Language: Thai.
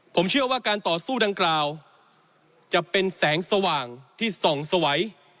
ผมเชื่อว่าการต่อสู้ดังกล่าวจะเป็นแสงสว่างที่ส่องสวัย